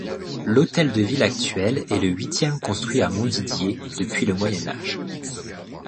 L'hôtel de ville actuel est le huitième construit à Montdidier, depuis le Moyen Age.